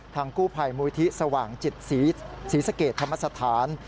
กู้ภัยมูลที่สว่างจิตศรีสะเกดธรรมสถาน